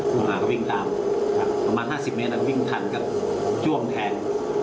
ผู้ตายก็วิ่งตามครับประมาณห้าสิบเมตรแล้วก็วิ่งทันก็จ้วงแทง